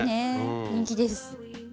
人気です。